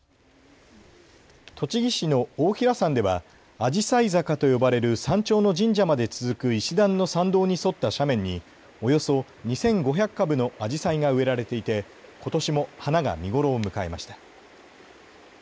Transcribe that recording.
栃木市の太平山ではあじさい坂と呼ばれる山頂の神社まで続く石段の参道に沿った斜面におよそ２５００株のあじさいが植えられていてことしも花が見頃を迎えました。